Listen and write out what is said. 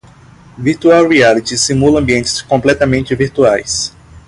Virtual Reality (VR) simula ambientes completamente virtuais.